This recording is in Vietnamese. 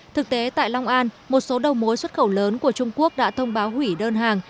thực tế tại long an một số đầu mối xuất khẩu lớn của trung quốc đã thông báo hủy đơn hàng